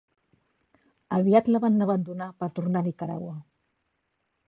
Aviat la van abandonar per tornar a Nicaragua.